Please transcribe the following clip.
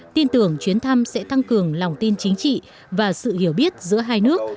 tin tưởng chuyến thăm sẽ tăng cường lòng tin chính trị và sự hiểu biết giữa hai nước